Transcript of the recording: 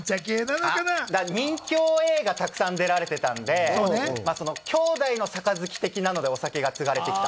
任侠映画にたくさん出られていたんで兄弟の盃的なのでお酒がつがれてきた。